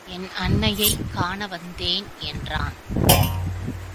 என் அன்னையைக் காண வந்தேன் என்றான்.